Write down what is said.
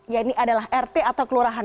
ya ini adalah rt atau kelurahan